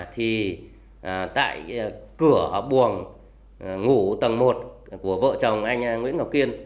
thì tại cửa ngủ tầng một của vợ chồng anh nguyễn ngọc kiên